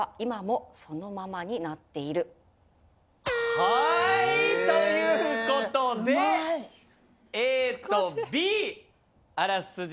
はい！ということでＡとＢあらすじ